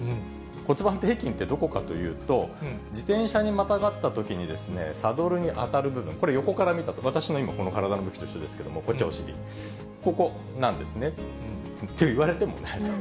骨盤底筋ってどこかというと、自転車にまたがったときに、サドルに当たる部分、これ、横から見たもの、この体の向きと一緒ですけれども、こっちがお尻、ここなんですね。といわれてもね。